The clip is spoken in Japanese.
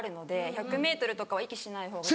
１００ｍとかは息しない方が速い。